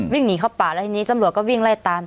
วิ่งหนีเข้าป่าแล้วทีนี้ตำรวจก็วิ่งไล่ตาม